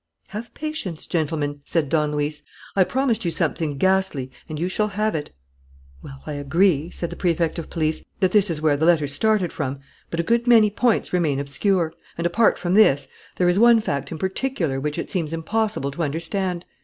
"Have patience, gentlemen," said Don Luis. "I promised you something ghastly; and you shall have it." "Well, I agree," said the Prefect of Police, "that this is where the letters started from. But a good many points remain obscure; and, apart from this, there is one fact in particular which it seems impossible to understand.